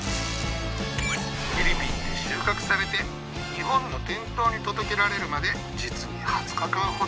フィリピンで収穫されて日本の店頭に届けられるまで実に２０日間ほど。